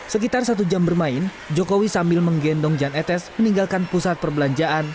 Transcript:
sekitar satu jam bermain jokowi sambil menggendong jan etes meninggalkan pusat perbelanjaan